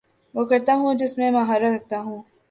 وہ کرتا ہوں جس میں مہارت رکھتا ہو